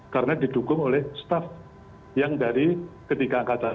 karena didukung oleh staff yang dari ketiga angkatan